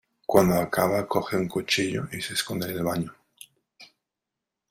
Cuando acaba coge un cuchillo y se esconde en el baño.